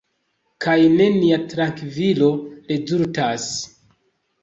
Kaj nenia trankvilo rezultas.